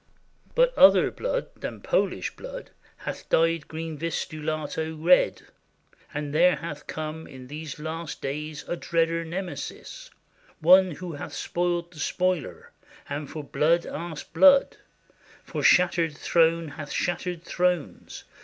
But other blood than PoHsh blood hath dyed Green Vistulato red, and there hath come In these last days a dreader Nemesis, — One who hath spoiled the spoiler, and for blood Asked blood, — for shattered throne hath shattered thrones.